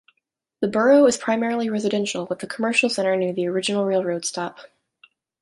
The borough is primarily residential with a commercial center near the original railroad stop.